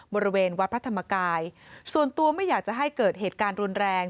บริเวณวัดพระธรรมกายส่วนตัวไม่อยากจะให้เกิดเหตุการณ์รุนแรง